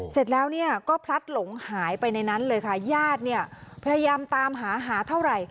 เสร็จแล้วเนี่ยก็พลัดหลงหายไปในนั้นเลยค่ะญาติเนี่ยพยายามตามหาหาเท่าไหร่